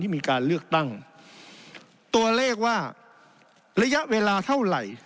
มีการเลือกตั้งตัวเลขว่าระยะเวลาเท่าไหร่